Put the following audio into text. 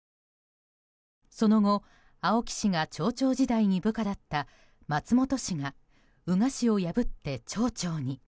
その後、青木氏が町長時代に部下だった松本氏が宇賀氏を破って町長に。